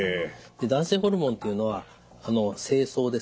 男性ホルモンというのは精巣ですね